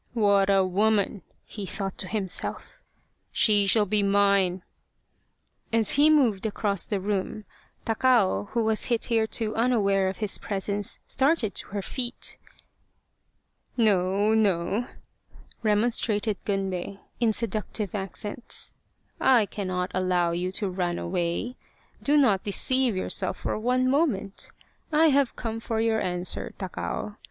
What a woman !" he thought to himself. " She shall be mine !" As he moved across the room, Takao, who was hitherto unaware of his presence, started to her feet. " No, no," remonstrated Gunbei in seductive ac cents, " I cannot allow you to run away do not de ceive yourself for one moment. I have come for your answer, Takao.